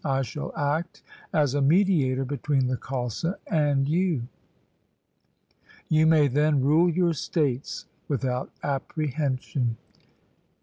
I shall act as a mediator between the Khalsa and you. You may then rule your states without apprehen sion.'